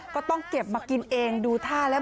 ก็ต้องเก็บมากินเองดูท่าแล้ว